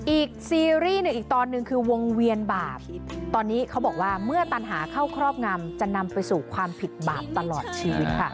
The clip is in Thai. ซีรีส์เนี่ยอีกตอนหนึ่งคือวงเวียนบาปตอนนี้เขาบอกว่าเมื่อตันหาเข้าครอบงำจะนำไปสู่ความผิดบาปตลอดชีวิตค่ะ